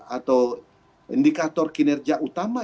atau indikator kinerja utama